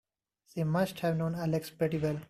She must have known Alex pretty well.